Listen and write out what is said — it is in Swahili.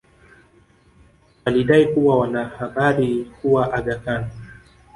walidai kuwa wana habari kuwa Aga Khan